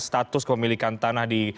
status pemilikan tanah di